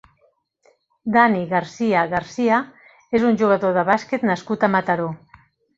Dani García García és un jugador de bàsquet nascut a Mataró.